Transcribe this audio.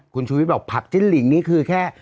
คุณชูวิทย์บอกผักจิ้นหลิงนี่คือแค่